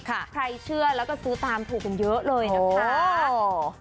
ใครเชื่อแล้วก็ซื้อตามถูกกันเยอะเลยนะคะ